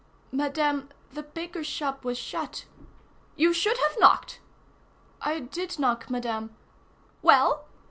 "Madame, the baker's shop was shut." "You should have knocked." "I did knock, Madame." "Well?"